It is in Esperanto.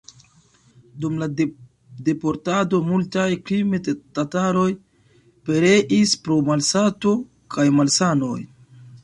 Dum la deportado multaj krime-tataroj pereis pro malsato kaj malsanoj.